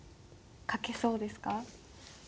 書けそうですか？